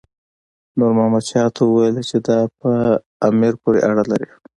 نور محمد شاه ته وویل چې دا په امیر پورې اړه لري.